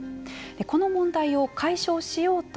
この問題を解消しようと